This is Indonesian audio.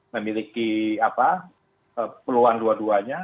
memiliki peluang dua duanya